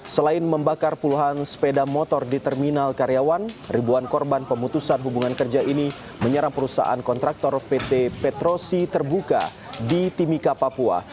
selain membakar puluhan sepeda motor di terminal karyawan ribuan korban pemutusan hubungan kerja ini menyerang perusahaan kontraktor pt petrosi terbuka di timika papua